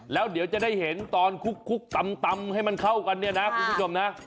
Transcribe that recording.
แล้วเดี๋ยวจะได้เห็นตอนคุกตำให้มันเข้ากันเนี่ยนะคุณผู้ชมนะ